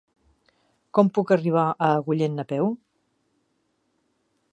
Com puc arribar a Agullent a peu?